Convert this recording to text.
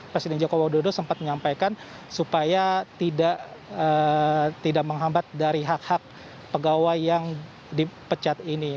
presiden joko widodo sempat menyampaikan supaya tidak menghambat dari hak hak pegawai yang dipecat ini